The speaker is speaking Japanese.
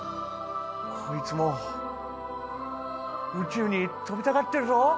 こいつも宇宙に飛びたがってるぞ！